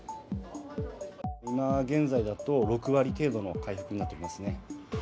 今現在だと、６割程度の回復になってますね。